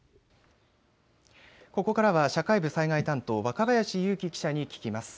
午後からは社会部災害担当若林勇希記者に聞きます。